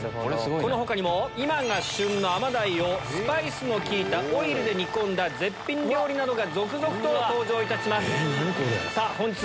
この他にも今が旬の甘鯛をスパイスの利いたオイルで煮込んだ絶品料理などが続々と登場いたします。